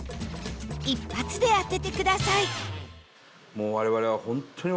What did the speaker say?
一発で当ててください